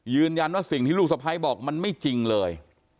ยืนยันว่าสิ่งที่ลูกสะพ้ายบอกมันไม่จริงเลย